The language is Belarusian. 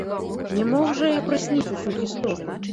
Не мог жа я прысніць усю гісторыю.